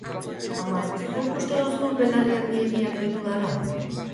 Ama, zuk uste duzu belarri handiegiak ditudala?